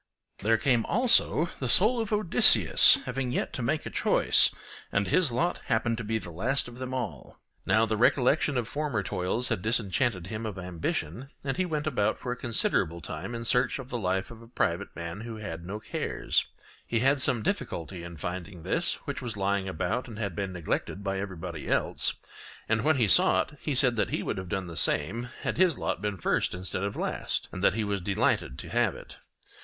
There came also the soul of Odysseus having yet to make a choice, and his lot happened to be the last of them all. Now the recollection of former toils had disenchanted him of ambition, and he went about for a considerable time in search of the life of a private man who had no cares; he had some difficulty in finding this, which was lying about and had been neglected by everybody else; and when he saw it, he said that he would have done the same had his lot been first instead of last, and that he was delighted to have it.